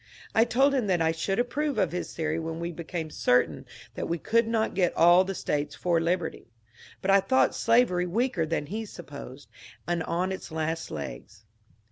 I told him that I should approve of his theory when we became certain that we could not get all the States for liberty ; but I thought slavery weaker than he supposed, and on its last legs.